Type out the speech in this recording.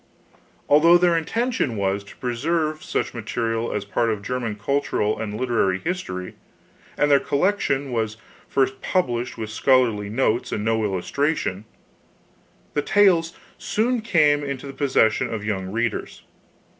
Although their intention was to preserve such material as part of German cultural and literary history, and their collection was first published with scholarly notes and no illustration, the tales soon came into the possession of young readers.